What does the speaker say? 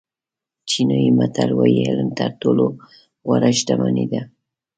چینایي متل وایي علم تر ټولو غوره شتمني ده.